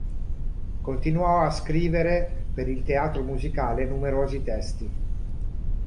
Continuò a scrivere per il teatro musicale numerosi testi.